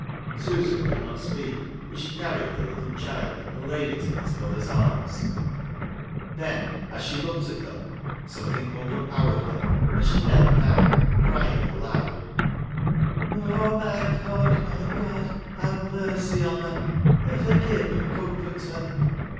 Susan could not speak, but she carried the little Ckarles Dickens.] LIZZIE LEIGH. 63 child, and laid it in its mother's arms ; then as she looked at them, something overpowered her, and she knelt down, crying aloud, ' Oh, my God, my God, have mercy on her, and forgive, and comfort her.'